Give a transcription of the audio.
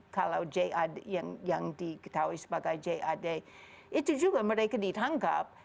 kalau ja yang diketahui sebagai jad itu juga mereka ditangkap